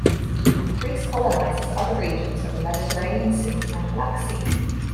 Greece colonizes other regions of the Mediterranean Sea and Black Sea.